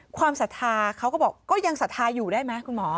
ศรัทธาเขาก็บอกก็ยังศรัทธาอยู่ได้ไหมคุณหมอ